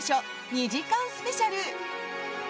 ２時間スペシャル。